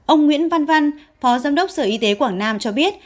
ông nguyễn văn văn phó giám đốc sở y tế quảng nam cho biết